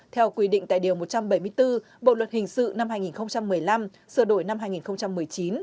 theo quy định tại điều một trăm bảy mươi bốn bộ luật hình sự năm hai nghìn một mươi năm sửa đổi năm hai nghìn một mươi chín